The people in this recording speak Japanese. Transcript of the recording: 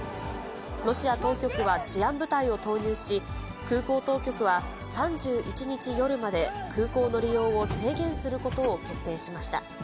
ロシア当局は治安部隊を投入し、空港当局は３１日夜まで空港の利用を制限することを決定しました。